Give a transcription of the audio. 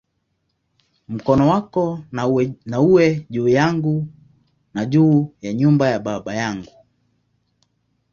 Mkono wako na uwe juu yangu, na juu ya nyumba ya baba yangu"!